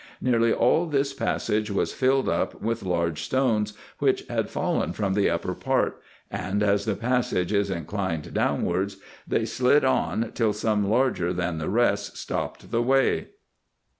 Nearly all tins passage was filled up with large stones, which had fallen from the upper part, and as the passage is inclined downwards, they slid on till some larger than the rest stopped the way.